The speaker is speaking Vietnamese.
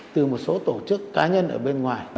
từ một số tổ chức cá nhân ở bên ngoài